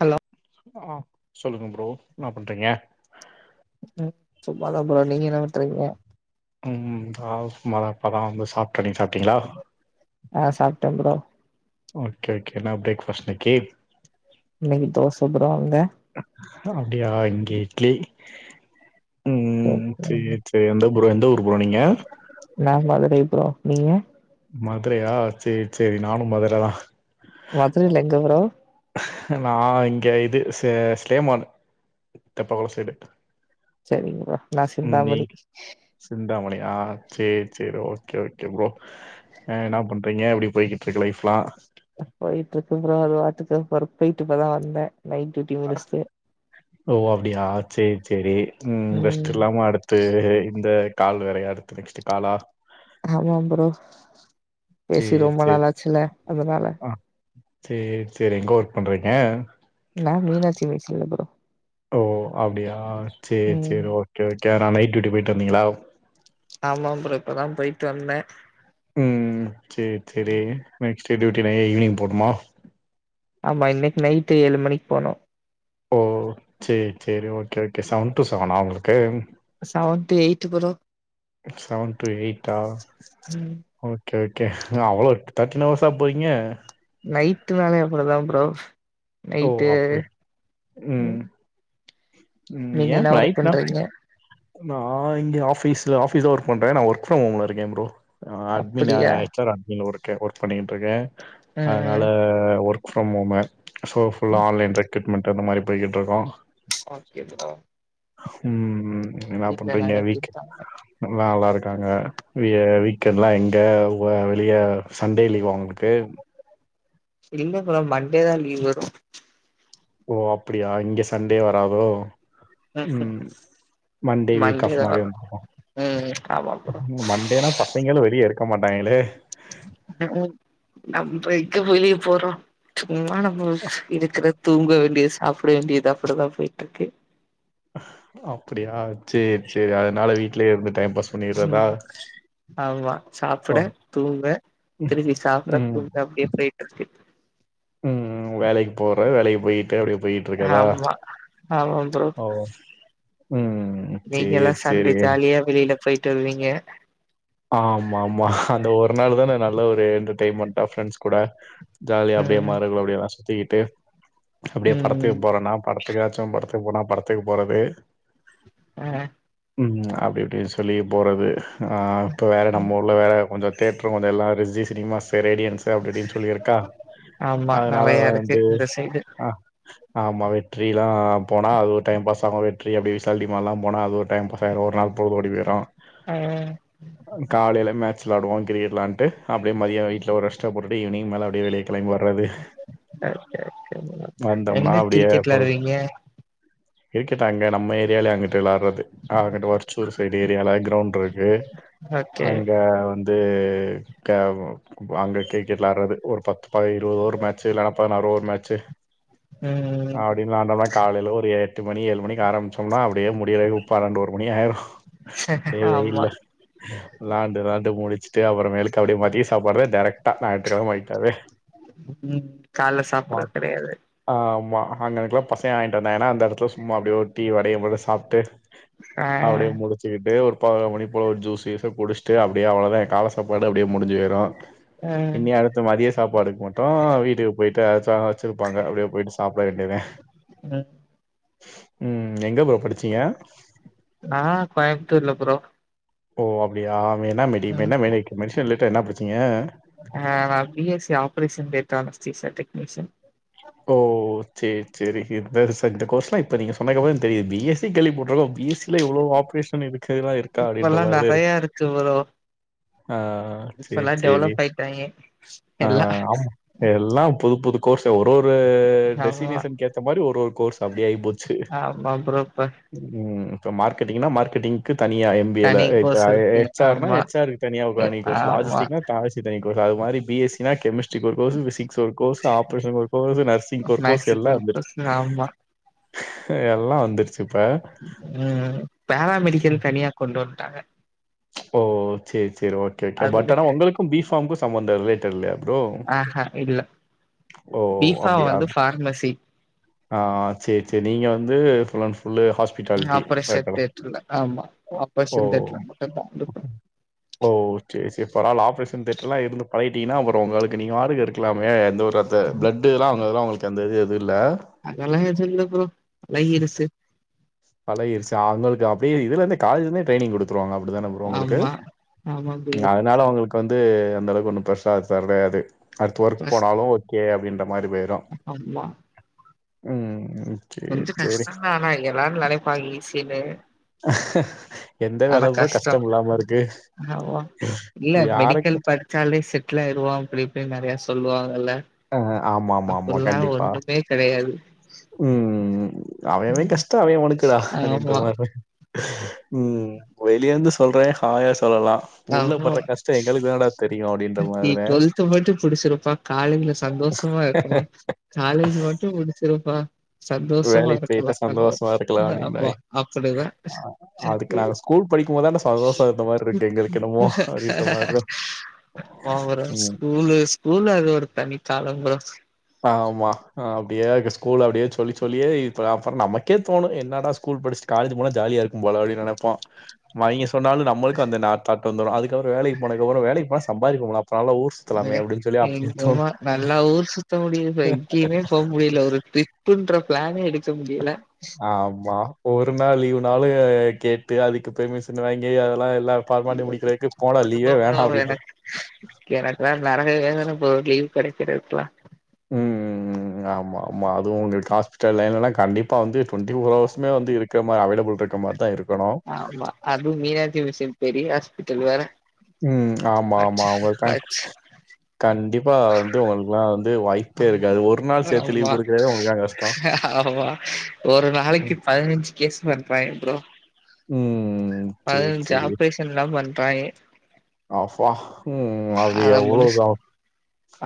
Hello ஆ சொல்லுங்க bro என்னா பண்றீங்க ம் சும்மாதா ப்ரோ நீங்க என்ன பண்றீங்க ம் நா சும்மாதா இப்பாதா வந்து சாப்ட்டே நீங் சாப்ட்டீங்களா ஆ சாப்ட்ட ப்ரோ ஓகே ஓகே என்னா பிரேக்ஃபாஸ்ட் இன்னைக்கு இன்னைக்கு தோச ப்ரோ அங்க அப்டியா இங்க இட்லி ம் செரி செர் எந்த ப்ரோ எந்த ஊர் ப்ரோ நீங்க நான் மதுரை ப்ரோ நீங்க மதுரையா சேர் செரி நானு மதுரதா மதுரைல எங்க ப்ரோ நா இங்கே இது ஸ்லே ஸ்லேமான் தெப்பக்குளொ சைடு செரிங்க ப்ரோ நா ம் நீ சிந்தாமணி சிந்தாமணியா சேர் செரி ஓகே ஓகே ப்ரோ அ என்ன பண்றீங்க எப்டி போய்கிட்டு இருக்கு லைஃப்லா போயிட்டுருக்கு ப்ரோ அது பாட்டுக்கு ஒர்க் போயிட்டு இப்பதா வந்த நைட் டியூட்டி முடிச்சுட்டு ஓ அப்டியா செரி செரி ம் ரெஸ்ட் இல்லாம அடுத் து இந்த கால் வேறயா அடுத்து நெக்ஸ்ட்டு காலா ஆமா ப்ரோ பேசி சரி, ரொம்ப சரி. நாளாச்சுல அதனால சேர் செரி எங்க ஒர்க் பண்றீங்க நா மீனாச்சி மிஷன்ல ப்ரோ ஓ அப்டியா சேர் ம் செரி ஓகே ஓகே அதா நைட் டியூட்டி போயிட்டு வந்தீங்களா ஆமா ப்ரோ இப்பதா போயிட்டு வந்தே ம் சேர் செரி நெக்ஸ்ட்டு டியூட்டி நை ஈவினிங் போணுமா ஆமா இன்னைக்கு நைட்டு ஏழு மணிக்கு போனு ஓ சேர் செரி ஓகே ஓகே செவன் டு செவனா உங்களுக்கு seven to eight bro seven to எய்ட்டா ம் ஓகே ஓகே அவ்ளோ தேர்ட்டின் அவர்ஸா போறீங்க நைட்டுனாவே அப்புடிதாம் ப்ரோ ஓ! நைட்டு அப்படி. ம் ம் நீங்க ஏன் என்னா ஒர்க் ரைட் நா பண்றீங்க நா இங்க ஆபீஸ்ல ஆபீஸ் ஒர்க் பண்றே நா ஒர்க் ஃப்ரம் ஹோம்ல இருக்கே ப்ரோ அட்மின் அ அப்டியா H R admin work work பண்ணிட்ருக்கே ம் அதனால ம் work work from home so ஃபுல்லா ஆன்லைன் ரெக்ரட்மெண்ட் அந்த மாரி போயிகிட்டிருக்கோ இருக்கோம் ஓகே ப்ரோ ம் ம் இன்ன வீட்ல பண்றீங்க எல்லாரு எப்டி வீக் இருக்காங்க நல்லா நல்லாருக்காங்க வீ வீக்கெண்ட்லா எங்க வ வெளிய சண்டே லீவா ஒங்களுக்கு இல்ல ப்ரோ மண்டே தா லீவு ஓ அப்புடியா இங்க சண்டே வரதோ [unintelligible] மண்டே வீக் ஆப் தா மாரி வரு வந்துருவோ ம் ஆமா ப்ரோ ம் மண்டேனா பஸ் இவிங்களு வெளியே இருக்க மாட்டாங்களே ம் நம்ப எங்க வெளிய போறோ சும்மா நம்ப இருக்கற தூங்க வேண்டியது சாப்பிட வேண்டியது அப்புடி தா போயிட்ருக்கு அப்புடியா சேரி சேரி அதனால வீட்லயே இருந்துடே பஸ் ம் ஆமா ஓ சாப்புட தூங்க ம் திருப்பி சாப்பற ம் தூங்க அப்டியே போயிட்டிருக்கு ம் வேலைக்கு போற வேலைக்கு போயிட்டு அப்டியே போயி ஆமா ஆமாம் ப்ரோ ம் நீங்கல்லா சேரி சேரி சண்டை ஜாலியா வெளியில போயிட்டு வருவீங்க ஆம் ஆமா அந்த ஒரு நாளு தானே நல்ல ஒரு என்டர்டெயின்மென்ட்டா ஃப்ரெண்ட்ஸ் கூட ஜாலிய அப்டியே ம் மரக்களோடேயேலா சுத்திக்கிட்டு அப்டியே ம் படத்துக்கு போறனா படத்துக்காச்சும் படத்துக்கு போனா படத்துக்கு போறது அ ம் அப்டி இப்டி சொல்லி போறது ஹா இப்ப வேற நம்ம ஊர்ல வேற கொஞ்ச தேட்ரு ஓனர் எல்லா ரிஸி சினிமாஸ் ரேடியன்ஸ் அப்டியிப்டின் சொல்லியிருக்கா ஆமா அதனால நெறையா இருக்கு வந்து இந்த சைடு அ ஆமா வெற்றிலா போனா அதுவு டைம் பாஸ் ஆகு வெ ற்றி அப்டி சேல்டி மால்லா போனா அது ஒரு டைம் பாஸாயிரு ஒரு நாள் பொழுது ஓடி போயிரு ஆ காலைல மேட்ச் விளாடுவோ கிரிக்கெட் வெளான்ட்டு அப்டே மதியோ வீ்ட்ல ஒரு ரெஸ்ட போட்டுட்டு ஈவ்னிங் மேல அப்டே வெளிய கெளம்பி வர்றது ஓகே. வந்தோம்னா எங்க அப்டியே கிரிக்கெட் விளாடுவீங்க கிரிக்கெட் அங்க நம்ம ஏரியாலயே அங்குட்டு விளாட்றது அங்குட்ட வச்சூர் சைடு ஏரியால கிரௌண்ட்டிருக்கு ஓகே அங்க வந்து கேபு அங்க கிரிக்கெட்லாட்றது ஒரு பத்து பதி இருபதோரு மேட்ச்சு இல்லன்னா பதினாறு ஒரு மேட்ச்சு ம் அப்டின்லான்டோனா காலைல ஒரு எட்டு மணி ஏழு மணிக் ஆரமிச்சோம்னா அப்டியே முடியிறக்கு பன்னெண்டு ஒரு மணியாயிரு அப்டியே ஆமா வெயில்ல லாண்டு லாண்டு முடிச்சிட்டு அப்புறமேலுக்கு அப்டே மதிய சாப்பாடுதா டேரக்ட் தா நாயித்துக் கெழம ஆயிட்டாவே ம் கால்ல சாப்புட்றது கெடையாது ஆமா அங்கனுகுல்ல பசங்க வாயின்ட்டு வந்தாங்னா அந்தெடத்துல சும்மா அப்டியே ஒரு டீயு வடையு போல சாப்ட்டு ஆ அப்டியே முடிச்சிக்கிட்டு ஒரு பதினோரு மணி போல ஒரு ஜூஸ் ஜூச குடிஷ்ட்டு அப்டியே அவ்ளோதா என் கால சாப்பாடு அப்டியே முடிஞ்சி பொய்ரு ஆ இனி அடுத் தத்து மதிய சாப்பாடுக்கு மட்டும் வீட்டுக்கு போய்ட்டு அச்சாங்க வச்சிருப்பாங்க அப்டே போய்ட்டு சாப்பிட வேண்டியதா ம் ம் எங்க ப்ரோ படிச்சீங்க நா கோயம்புத்தூர்ல ப்ரோ ஓ அப்டியா என்ன மெடிக் ம் என்ன மேடியேட் மெடிஷன் ரிலேட்டா என்ன படிச்சீங்க ஆ நா B S C operation data anaesthetics அ டெக்னிஷன் ஓ சேரி சேரி இந்த ரிசேக் இந்த கோர்ஸ்லா இப்ப நீங்க சொன்னதுகப்பரம் தா தெரி பி ‌எஸ் சி கேள்விப்பட்டுருக்கோம் பி எஸ் இல்ல இவ்ளோ ஆப்ரேஷன் இதுக்காக தா இருக்கா அப்டின்ற இப்பல்லா மாரிதான் இருக்கு நெறையா ப்ரோ ஆ இப்பல்லா சேரி சேரி டெவலப் ஆயிட்டாங்க ஆ எல்லா ஆமா எல்லா புது புது கோர்ஸ்சு ஒரு ஒரு ஆமா டெசினேஷன்னுக்கு ஏத்த மாரி ஒரு ஒரு கோர்ஸ் அப்டி ஆய் போச்சு ஆமா ப்ரோ இப்ப ம் இப்ப மார்க்கெட்டிங்னா மார்கெட்டிங்க்கு தனியா எம் பி யேல தனி இப்ப கோர்ஸ் இருக்கு எச் ஆர்னா ஆமா எச் ஆர்க்கு தனியா வனிங் கோர்ஸ் ஆமா லாஜஸ்டிக்னா தாசி தனி கோர்ஸ் அது மாரி பி எஸ்‌ சின்னா கெமிஸ்ட்ரிக்கு ஒரு கோர்ஸ்சு பிசிக்ஸ் ஒரு கோர்ஸ் ஆப்ரேஷன்க்கு ஒரு கோர்ஸ்சு நர்சிங்க்கு ஒரு கோர்ஸ் மேக்ஸுக்கு எல்லா ஒரு வந்துடுச்சு கோர்ஸ் ஆமா எல்லா வந்துடுச்சு ம் ம். பேராமெடிக்கல் தனியா கொண்டு வண்டாங்க ஓ சேர் சேர் ஓகே ஓகே பட் அது ஆனா உங்களுக்கும் பீ ஃபாம்க்கும் சம்பந்தம் இல்லே தெர்லயா ப்ரோ ஆஹா இல்ல ஓ பீஃபா அப்டியா வந்து ஃபார்மசி ஆ சேரி சேரி நீங்க வந்து full and full hospitality operation பாக்கலா ஓ டன் காலுப்பா ஓ சேர் சேர் பரவால ஆப்ரேஷன் தேட்டர்லா இருந்து பழகிட்டீங்கன்னா அப்பறோ உங்களுக்கு நீங்க வாருக்கு இருக்கலாமே எந்த ஒரு இந்த ப்ளேட்டுலாம் அவங்கலுக்கலா அவங்களுக்கு எந்த இது எது இல்ல அதெல்லாம் எதும் இல்ல ப்ரோ பழகிடுச்சி பழகிருச்சி அவங்களுக்கு அப்டே இதுலேருந்தே காலேஜ்ஜிலேருந்தே டிரைனிங் குடுத்துடுவாங்க அப்டிதான ப்ரோ ஒங்களுக்கு ஆமா ஆமா ப்ரோ அதனால உங்களுக்கு வந்து அந்தளவுக்கு ஒன்னும் பிரெஷ்ஷா தரடையாது அடுத் ஒர்க் கஷ் போனாலும் ஓகே அப்டின்ற மாரி போய் ஆமா ம். சரி, கொஞ்சோ சரி. கஷ்டந்தான் ஆனா எல்லாரும் நெனைப்பாங்க ஈசின்னு எந்த வேல ப்ரோ கஷ்டோ கஷ்டமுல்லாம இருக்கு ஆமா இல்ல யார மெடிக்கல் கேட் படிச்சாலே செட்டிலாயிடுவான் அப்டி இப்டின் நெறைய சொல்லுவாங்கல்ல ஆ ஆமாமாமா. அப்பல்லா ஒண்ணுமே கெடயாது ம் ம் ம் அவைஅவை கஷ்டோ அவைஅவைனுக்குடா அப்டின்ற ஆமா மாரி தான் ம் வெளிய இருந்து சொல்றேன் ஹாயா சொல்லலா உள்ள ஆமா பட்ற கஷ்டம் எங்களுக்கு தானடா தெரியு அப்டின்னு நீ டுவெல்த் மட்டும் புடிச்சிருப்பா காலேஜ்ல சந்தோஷமா இருக்கலா காலேஜ் மட்டும் முடிச்சிருப்பா சந்தோஷமா வேலைக்கு போயிட்டா இருக்கலான் அதா சந்தோஷமா இருக்கலாம் ஆமா அப்படின்னாய். அப்டிதான் அ அதுக்கு நாங்க ஸ்கூல் படிக்கும்போது தான சந்தோஷம் இருந்த மாரி இருக்கு எங்களுக்கு என்னமோ அப்படின்ற மாரி தான். ஓவற ம். ஸ்கூலு ஸ்கூல் அது ஒரு தனி காலம் ப்ரோ ஆமா அப்டியே எங்க ஸ்கூல்ல அப்டியே சொல்லி சொல்லியே இப்ப அப்பறம் நமக்கே தோணும் என்னடா ஸ்கூல் படிச்சிட் காலேஜ் போனா ஜாலியா இருக்கும் போல அப்டின் நெனப்போம் அவைங்க சொன்னாலும் நம்மளுக்கு அந்த நா தாட் வந்துரும் அதுக்கறோ வேலைக்கு போனதுக்கப்பறம் வேலைக்கு போனா சம்பாதிக்க போணும் அப்பலா ஊர் எனங்க சுத்தலாமே அப்படின்னு சொல்லி அப்படி என்னமோ தோணும். நல்லா ஊர் சுத் த்த முடியுது எங்கேமே போ முடியல ஒரு ட்ரிப்புன்ற பிளானே எடுக்க முடியல ஆமா ஒரு நாள் லீவுனாலு கேட்டு அதுக்கு பெர்மிஷன் வாங்கி அதெல்லா எல்லா பா பண்ணி மூடிக்கிறக்கு போடா அதுவா லீவே ப்ரோ வேணா அப்டின்றுவே எனக்கு எனக்குல்லா நரக வேதன ப்ரோ லீவ் கெடைக்குறதுக்குலா ம் ஆமா ஆமா அதுவு உங்களுக்கு ஹாஸ்பிட்டல் லைன்லலா கண்டிப்பா வந்து டுவெண்டி ஃபோர் அவர்சுமே வந்து இருக் க்க மா அவைலபுள்ருக்க மாரி தா இருக்கணு ஆமா அது மீனாச்சி மிசின் பெரிய ஆஸ் ம் ஆமா ஆமா உங்களுக்குலா அச்சு கண்டிப்பா வந்து உங்களுக்குக்கெல்லா வந்து வாய்ப்பே இருக்காது ஒரு நாள் சேத்து ஆமா லீவு குடுக்குறதே உங்களுக்லா அங்க ஆமா ஒரு நாளைக்கு ம். பதினஞ்சு கேஸ் பண்றாங்க ப்ரோ ம் சரி, பதினஞ்சு சரி. ஆப்ரேஷன்லா பண்றாங்க ஆஃபா ம் அது அத எவ்ளோ முடிச் தா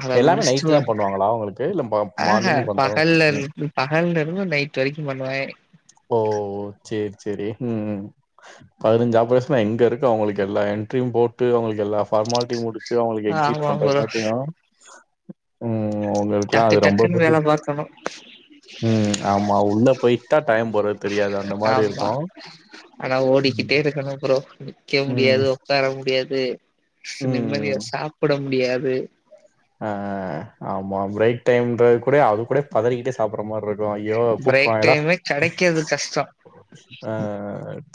அத எல்லாமே முடிச்சுட்டு நைட்டு வ தா பண்ணுவாங்களா உங்களுக்கு இல்ல மா ஆஹ மார்னிங்கு பண்றாங்க பகல்ல ம் இருந்து பகல்ல இருந்து நைட் வரைக்கு பண்ணுவாங்க ஓ சேர் செரி ம் பதினஞ்சு ஆப்ரேசன்னா எங்க இருக்கு அவுங்களுக்கு எல்லா என்ட்ரியு போட்டு அவுங்களுக்கு எல்லா ஃபார்மாலிட்டியு முடி ச்சு அவுங்களுக்கு எக்ஸிட் ஆமா பண்றது ப்ரோ பாத்தினா ம் உங்களுக்கலா டக்கு அது ரொம்ப டக்குன்னு பெரி வேல பாக்கணு ம் ஆமா உள்ள போயிடா டைம் போறது தெரியாது அந்த மாரி ஆமா இருக்கு ஆனா ஓடிக்கிட்டே இருக்கனு ப்ரோ நிக்க ம். முடியாது உக்கார முடியாது நிம்மதிய ம். சாப்புட முடியாது ஆ ஆ ஆமா பிரேக் டைம்றது கூட அது கூட பதறிக்கிட்டே சாப்புடுற மாரி இரு க்கு ஐயோ பிரேக் கூப்ட்றுவாங்லா டைமே கெடைக்கிறது கஷ்டோ ஆ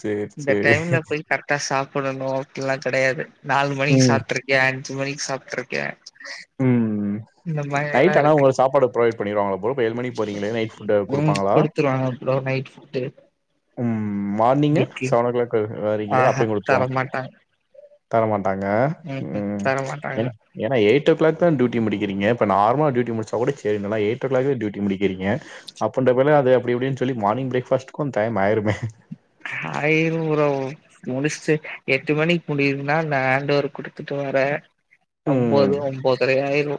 சரி, இந்த சரி. டைம்ல போய் கரெக்டா சாப்புடணு அப்புல்லா கெடையாது நாலு மணிக்கு ம். சாப்ட்ருக் கே அஞ்சு மணிக்கு சாப்ட்ருக்கே ம் இந்த மாரி எல்லா நைட் ஆனா இருக்கு உங்களுக்கு சாப்பாடு ப்ரொவைட் பண்ணிருவாங்களா ப்ரோ இப்ப ஏழு மணிக்கு போறீங்களே நைட் ஃபுட் குடுப்பாங்களா குத்துருவாங்களா ப்ரோ நைட் ஃபுட்டு ம் மார்னிங்கு இன்னிக்கு செவன் ஓ கிளாக் வரீங்களே ஆஹா அப்பயு குடுத்துருவாங் தரமாட்டாங்க தரமாட்டாங்க ம் என் ஏன்னா ஏய் டோ கிளோக்தா டியூட்டி முடிக்கிறீங்க இப்ப நார்மலா டியூட்டி முடிச்சா கூட சேரின்னளா எய்டோ கிளோக்தா டியூட்டி முடிக்கிறீங்க அப் அண்ட் அப்டின்னா அது அப்டி இப்டின்னு சொல்லி மார்னிங் பிரேக் ஃபாஸ்டுக்கு டைம் ஆயிருமே ஆயிரு ப்ரோ முடிச்டு எட்டு மணிக்கு முடியுதுனா நா ஹேண்ட் ஓவர் குடுத்துட்டு வரே ம் ஒம்போது ஒம்போதுர ஆயிரு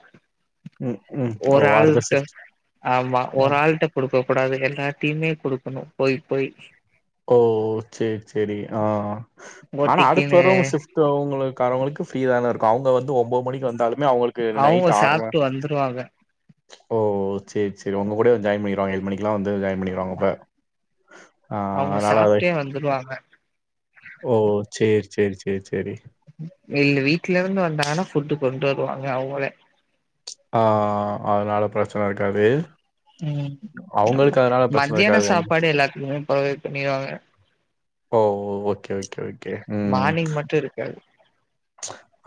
ம் ம் ஓ ஒரு ஆள் அடுத்த மட்டு ஷிஃப்ட் ஆமா ஒரு ஆ டீம்ட குடுக்க கூடாது எல்லா டீமுமே குடுக்கணு போய் போய் ஓ சேரி சேரி ஆ ஓ ஆனா டி அடுத்து க்குன்னு வர்றவங்க ஷிஃப் ட்டு அவங்களுக்கு அறு மணிக்கு ஃப்ரீதான இருக்கு அவுங்க வந்து ஒம்போ மணிக்கு வந்தாலுமே அவுங்களுக்கு அவங்க நைட்டு ஆற்ர சாப்ட்டு வந்துருவாங்க ஓ சேரி சேரி உங்க கூடயே ஜாயின் பண்ணிருவாங்க ஏழு மணி எல்லா வந்து ஜாயின் பண்ணிருவாங்க அப்ப ஆ அவுங்க அதனால அது சாப்டே வந்துருவாங்க ஓ சேரி சேரி சேரி சேரி இல்ல வீட்ல இருந்து வந்தாங்கன்னா ஃபுட் கொண்டு வருவாங்க அவங்களே ஆ அதனால பிரச்சன இருக்காது ம் ஆமா அவங்களுக்கு அதனால பிரச்சன மத்தியான இருக்காது உங்க சாப்பாடு எல்லாத்துக்குமே ப்ரொவைட் பண்ணிருவாங்க ஓ ஓகே ஓகே ஓகே ம் கே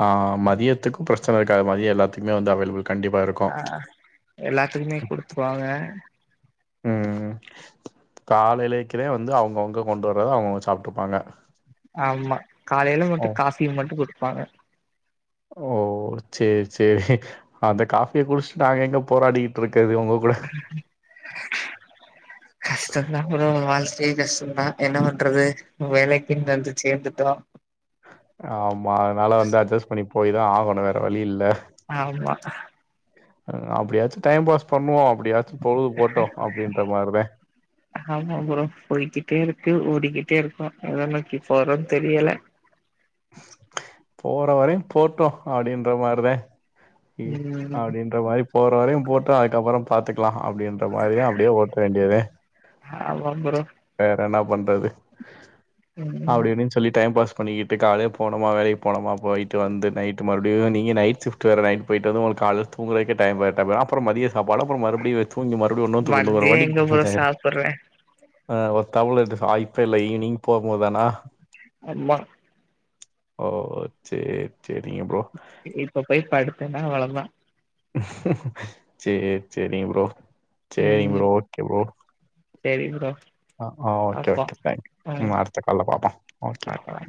ஆ மதியத்துக்கு பிரச்சன இருக்காது மதிய எல்லாத் துக்குமே வந்து அவைலபிள் கண்டிப்பா இருக்கு ஆ எல்லாத்துக்குமே குடுத்துருவாங்க ம் ம் காலைலேக்கிதா வந்து அவுங்கவுங்க கொண்டு வர்றத அவுங்கவுங்க சாப்டுப்பாங்க ஆமா காலைல மட்டு காஃபிய மட்டு குடுப்பாங்க ஓ சேரி சேரி அந்த காஃபிய குடிச்ட்டு நாங்க எங்க போராடிக்கிட்டு இருக்கற்து உங்க கூட கஷ்டம்தா ப்ரோ வாழ்க்கையே கஷ்டம்தா என்ன பண்றது வேலைக்குன்னு வந்து சேர்ந்துட்டோ ஆமா அதனால வந்து அட்ஜஸ்ட் பண்ணி போய் தா ஆகணு வேற வழி இல்ல ஆமா அப்டியாச்சு டைம் பாஸ் பண்ணுவோ அப்டியாச்சு பொழுது போட்டு அப்டின்ற மாரிதா ஆமா ஃப்ரோ போய்கிட்டே இருக்கு ஓடிக்கிட்டே இருக்கோ ஏத நோக்கி போறோ தெரியல போற வரையு போட்டு அப்டின்ற மாரிதா இ ம் அப்டின்ற மாரி போற வரையு போட்டு அதுக்கப்புறோ பாத்துக்குலா அப்டின்ற மாரியே அப்டியே ஓட்ட வேண்டியதா ஆமா ப்ரோ வேற என்ன பண்றது ம் அப்டின்னு சொல்லி டைம் பாஸ் பண்ணிக்கி ட்டு காலையிலே போனமா வேலைக்கு போனமா போயிட்டு வந்து நைட்டு மறுப்டியு நீங்க நைட்டு சஷிஃப்ட் வேர நைட் போயிட்டு வந்து உங்கள கால்லு தூங்குறதுக்கே டைம் [unintelligible] அப்புறோ மதிய சாப்பாடு அப்புறோ மறுப்டியு தூங்கி மறுபடியு இன்னொரு தூக்கோ தூங்குற மதிய மாரி எங்க ப்ரோ [unintelligible] சாப்புட்றே ஆ ஒருத்தவுள இது வாய்ப்பே இல்ல ஈவினிங் போபோ தானா ஆமா ஓ சே சேரிங்க ப்ரோ இப்ப போய் பாடுத்தேன்னா அவ்வளதா சேர் செரிங்க ப்ரோ சேரிங்க ம் ப்ரோ ஓகே ப்ரோ செரி ப்ரோ ஆ ஓகே பாப்போ ஒகே பாய் ம் அடுத்த கால்ல பாப்போ ஓகே ப்ரோ பாக்கலா